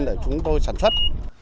để chúng tôi sản xuất